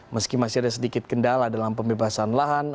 meski masih ada sedikit kendala dalam pembebasan lahan